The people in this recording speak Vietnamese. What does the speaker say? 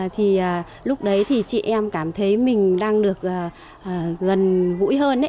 thì lúc đấy thì chị em cảm thấy mình đang được gần gũi hơn